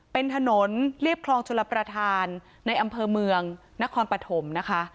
เป็นถนนเรียบคลองชลประธานในอำเภอเมืองนครปฐมนะคะ